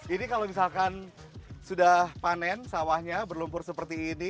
ini kalau misalkan sudah panen sawahnya berlumpur seperti ini